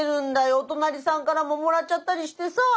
お隣さんからももらっちゃったりしてさ。